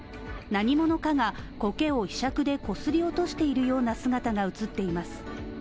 何者かがこけをひしゃくでこすり落としているような姿が映っています。